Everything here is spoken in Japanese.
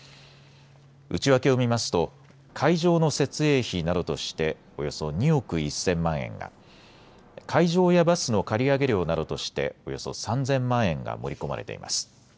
内訳を見ますと会場の設営費などとしておよそ２億１０００万円が、会場やバスの借り上げ料などとしておよそ３０００万円が盛り込まれています。